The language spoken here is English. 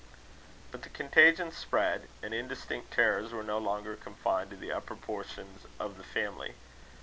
But the contagion spread; and indistinct terrors were no longer confined to the upper portions of the family.